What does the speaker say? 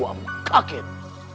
kamu membuat ayah kaget